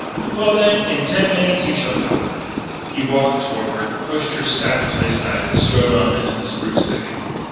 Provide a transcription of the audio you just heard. Well, then, in ten minutes you shall talk!" He walked toward her, pushed her savagely aside, and strode on into the spruce thicket.